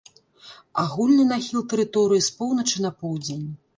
Агульны нахіл тэрыторыі з поўначы на поўдзень.